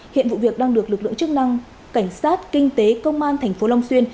hiện vụ việc đang được lực lượng chức năng cảnh sát kinh tế công an tp long xuyên